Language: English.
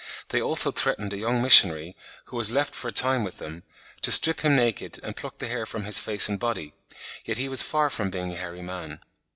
They also threatened a young missionary, who was left for a time with them, to strip him naked, and pluck the hair from his face and body, yet he was far from being a hairy man.